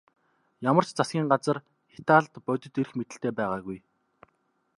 Ямар ч засгийн газар Италид бодит эрх мэдэлтэй байгаагүй.